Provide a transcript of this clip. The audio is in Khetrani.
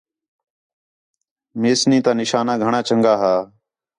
میسنی تا نشانہ گھݨاں چَنڳا ہا